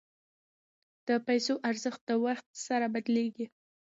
د پیسو ارزښت د وخت سره بدلیږي.